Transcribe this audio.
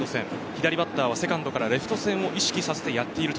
左バッターはセカンドからレフト線を意識させてやっている。